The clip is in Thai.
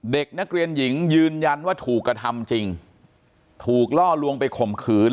เด็กนักเรียนหญิงยืนยันว่าถูกกระทำจริงถูกล่อลวงไปข่มขืน